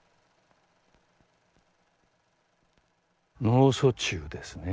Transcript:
脳卒中ですね。